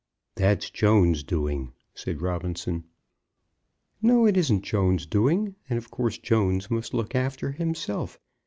"That's Jones's doing," said Robinson. "No; it isn't Jones's doing. And of course Jones must look after himself.